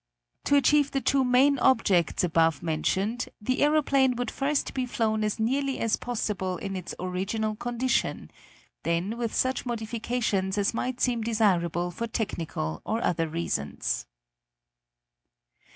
To achieve the two main objects above mentioned, the aeroplane would first be flown as nearly as possible in its original condition, then with such modifications as might seem desirable for technical or other reasons.